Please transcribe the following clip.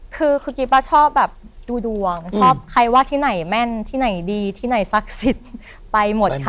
คือกิ๊บป้าชอบแบบดูดวงชอบใครว่าที่ไหนแม่นที่ไหนดีที่ไหนศักดิ์สิทธิ์ไปหมดค่ะ